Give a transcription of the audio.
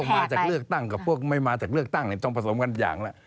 มาจากเลือกตั้งกับพวกไม่มาจากเลือกตั้งต้องผสมกันอย่างละ